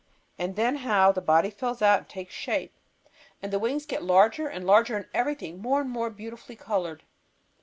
And then how the body fills out and takes shape, and the wings get larger and larger, and everything more and more beautifully colored!